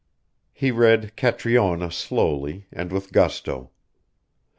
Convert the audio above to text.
He read Catriona slowly, and with gusto.